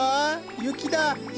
雪だ！